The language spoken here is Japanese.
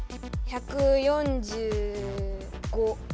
１４５。